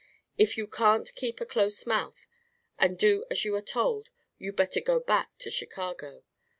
If you can't keep a close mouth, and do as you are told, you'd better go back to Chicago.